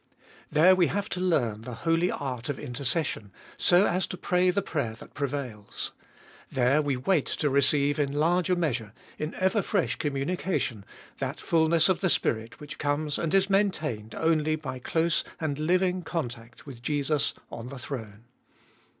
There we have to learn the holy art of intercession, so as to pray the prayer that prevails. There we wait to receive in larger measure, in ever fresh communica tion, that fulness of the Spirit which comes and is maintained only by close and living contact with Jesus on the throne.